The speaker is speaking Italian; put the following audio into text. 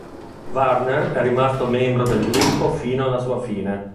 Warner è rimasto membro del gruppo fino alla sua fine.